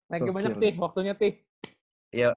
thank you banyak tih waktunya tih